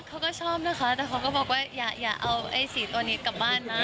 เขาก็ชอบนะคะแต่เขาก็บอกว่าอย่าเอาไอ้สีตัวนี้กลับบ้านนะ